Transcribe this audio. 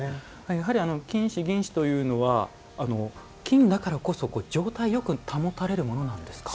やはり金糸、銀糸は金だからこそ、状態よく保たれるものなんですか。